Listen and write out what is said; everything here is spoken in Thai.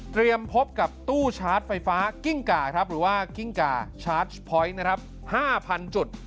พบกับตู้ชาร์จไฟฟ้ากิ้งก่าครับหรือว่ากิ้งกาชาร์จพอยต์นะครับ๕๐๐จุด